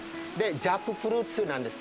ジャックフルーツなんです。